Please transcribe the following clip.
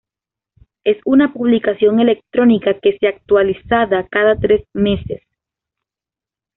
Es una publicación electrónica que se actualizada cada tres meses.